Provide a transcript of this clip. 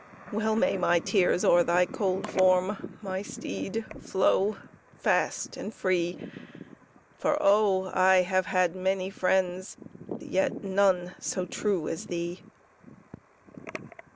Well may my tears o'er thy cold form, My steed, flow fast and free, For, oh! I have had many friends, Yet none so true as thee!